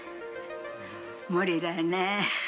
無理だよね。